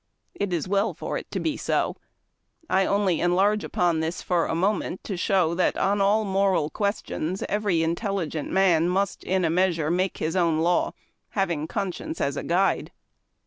It is well for it to be so. I on '^ ly enlarge upon this f(n' a mo ment to show that on all moral questions every intelligent man must in a meas ure make his own science as a guide.